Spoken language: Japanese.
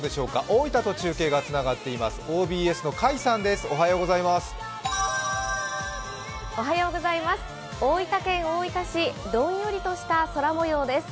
大分県大分市、どんよりとした空もようです。